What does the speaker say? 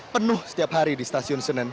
penuh setiap hari di stasiun senen